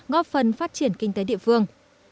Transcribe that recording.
góp phần phát triển kinh tế địa phương